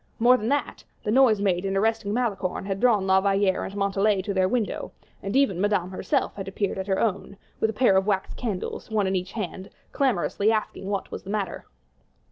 More than that, the noise made in arresting Malicorne had drawn La Valliere and Montalais to their window; and even Madame herself had appeared at her own, with a pair of wax candles, one in each hand, clamorously asking what was the matter.